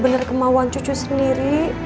ini dari kemauan cucu sendiri